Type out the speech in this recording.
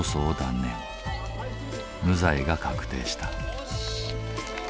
無罪が確定した。